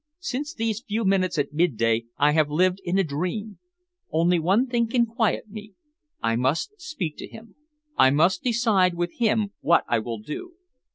"Since these few minutes at midday I have lived in a dream. Only one thing can quiet me. I must speak to him. I must decide with him what I will do.